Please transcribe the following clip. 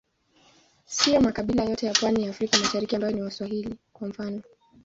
Siyo makabila yote ya pwani ya Afrika ya Mashariki ambao ni Waswahili, kwa mfano.